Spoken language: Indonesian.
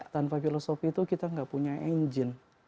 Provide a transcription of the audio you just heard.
tanpa filosofi itu kita nggak punya engine